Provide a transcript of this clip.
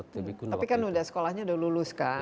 tapi kan sudah sekolahnya sudah lulus kan